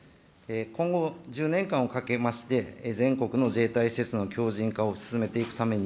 今後１０年間をかけまして、全国の自衛隊施設の強じん化を進めていくために、